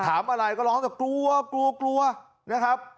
ถามอะไรก็ร้องแต่กลัวกลัวกลัวนะครับ